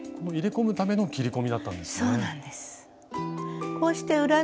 入れ込むための切り込みだったんですね。